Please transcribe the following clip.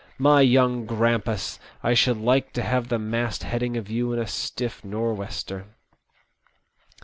My young grampus, I should like to have the mast heading of you in a stiflf north wester